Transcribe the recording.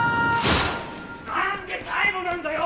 何でタイムなんだよ？